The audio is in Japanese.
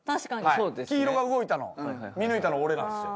黄色が動いたの見抜いたの俺なんですよ。